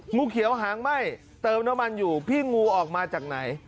งูเขียวหางไหม้เติมน้ำมันอยู่พี่งูออกมาจากไหน